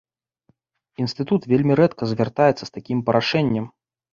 Інстытут вельмі рэдка звяртаецца з такім прашэннем.